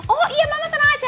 oh iya mama tenang aja